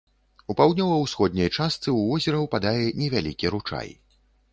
У паўднёва-ўсходняй частцы ў возера ўпадае невялікі ручай.